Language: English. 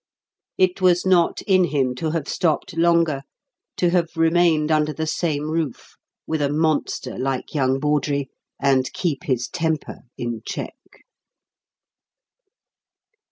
It was not in him to have stopped longer, to have remained under the same roof with a monster like young Bawdrey and keep his temper in check.